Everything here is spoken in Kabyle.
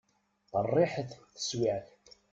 Qerriḥet teswiεt.